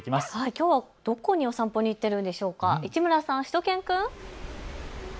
きょうはどこにお散歩に行っているんでしょうか市村さん、しゅと犬くん。